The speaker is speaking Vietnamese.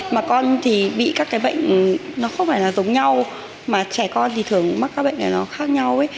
mà con thì bị các cái bệnh nó không phải là giống nhau mà trẻ con thì thường mắc các bệnh này nó khác nhau